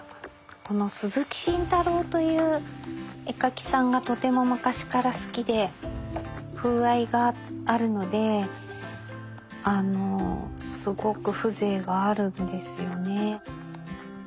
この鈴木信太郎という絵描きさんがとても昔から好きで風合いがあるのですごく風情があるんですよね。